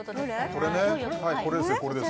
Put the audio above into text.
これです